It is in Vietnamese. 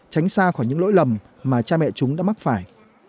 tránh xa khỏi những lỗi lầm mà cha mẹ chúng đã mắc phải